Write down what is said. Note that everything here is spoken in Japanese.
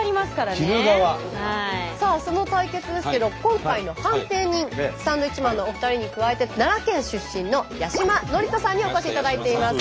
さあその対決ですけど今回の判定人サンドウィッチマンのお二人に加えて奈良県出身の八嶋智人さんにお越しいただいています。